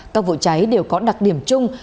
các vụ cháy đều có đặc điểm chung